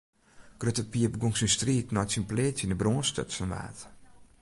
Grutte Pier begûn syn striid nei't syn pleats yn 'e brân stutsen waard.